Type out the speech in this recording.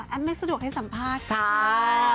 แอปไม่สะดวกให้สัมภาษณ์